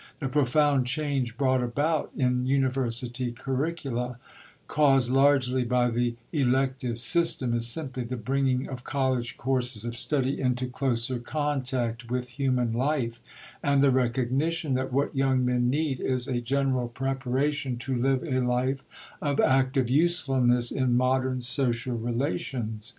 The profound change brought about in university curricula, caused largely by the elective system, is simply the bringing of college courses of study into closer contact with human life, and the recognition that what young men need is a general preparation to live a life of active usefulness in modern social relations.